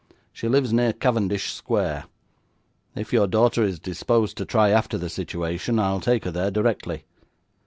She lives near Cavendish Square. If your daughter is disposed to try after the situation, I'll take her there directly.